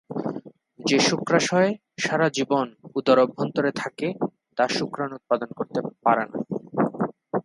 যে শুক্রাশয় সারা জীবন উদর অভ্যন্তরে থাকে তা শুক্রাণু উৎপাদন করতে পারে না।